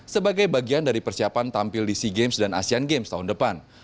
sebagai bagian dari persiapan tampil di sea games dan asean games tahun depan